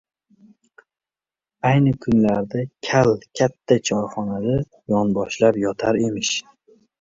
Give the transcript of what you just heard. Ayni kunlarda kal katta choyxonada yonboshlab yotar emish.